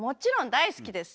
大好きです。